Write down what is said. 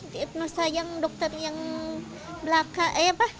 diadnosa yang dokter yang belaka